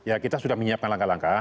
ya kita sudah menyiapkan langkah langkah